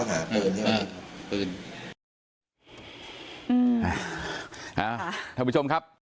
ค่ะทุกผู้ชมครับ